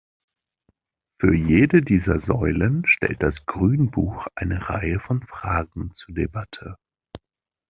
Für jede dieser Säulen stellt das Grünbuch eine Reihe von fragen zur Debatte.